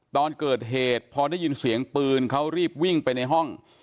ตอนเกิดเหตุพอได้ยินเสียงปืนเขารีบวิ่งไปในห้อง